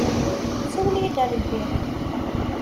Siwel-iyi-id ɣer lbiru.